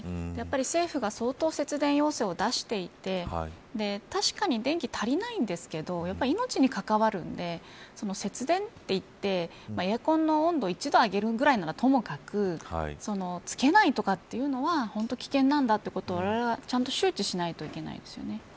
政府が相当節電要請を出していて確かに電気足りないんですけどやっぱり、命に関わるので節電といってエアコンの温度を１度上げるぐらいならともかくつけないとかというのは本当に危険なんだということをわれわれは、ちゃんと周知しないといけないですよね。